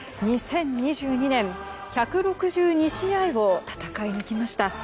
２０２２年１６２試合を戦い抜きました。